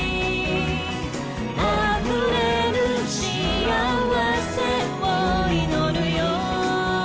「あふれる幸せを祈るよ」